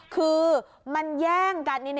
คือมันแย่งกัน